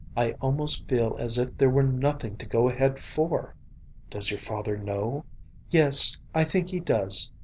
I almost feel as if there were nothing to go ahead for." "Does your father know?" "Yes, I think he does.